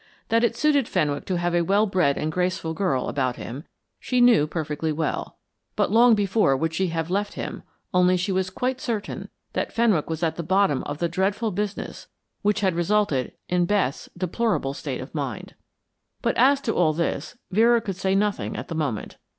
That it suited Fenwick to have a well bred and graceful girl about him, she knew perfectly well. But long before would she have left him, only she was quite certain that Fenwick was at the bottom of the dreadful business which had resulted in Beth's deplorable state of mind. But as to all this, Vera could say nothing at the moment.